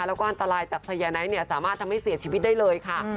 แล้วก็อันตรายจากไซยาไนท์เนี่ยสามารถทำให้เสียชีวิตได้เลยค่ะ